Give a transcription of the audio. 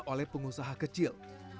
oleh pengusaha kecil